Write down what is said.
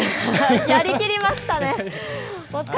やりきりましたね。